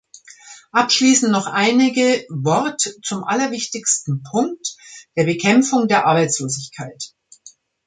Abschließend noch einige Wort zum allerwichtigsten Punkt, der Bekämpfung der Arbeitslosigkeit.